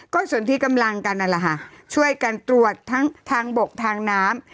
ก็ส่วนที่กำลังกันนั่นแหละค่ะช่วยกันตรวจทั้งทางบกทางน้ำ